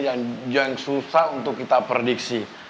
yang susah untuk kita prediksi